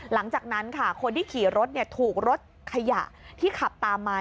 หลังจากนั้นค่ะคนที่ขี่รถถูกรถขยะที่ขับตามมา